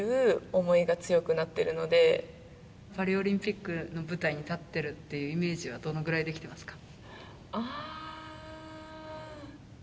パリオリンピックの舞台に立ってるっていうイメージはどのぐらいできてますか？